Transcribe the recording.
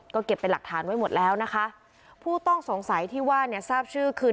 ก็เก็บเป็นหลักฐานไว้หมดแล้วนะคะผู้ต้องสงสัยที่ว่าเนี่ยทราบชื่อคือ